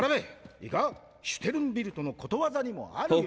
いいかシュテルンビルトのことわざにもあるようにだ！